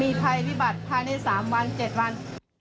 มีภัยพิบัติพันธุ์ในสามวันเจ็ดวัน